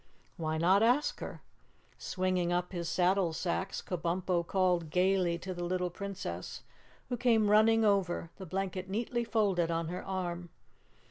"Why not ask her?" Swinging up his saddle sacks, Kabumpo called gaily to the little Princess, who came running over, the blanket neatly folded on her arm.